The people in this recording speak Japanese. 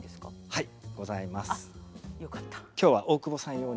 はい。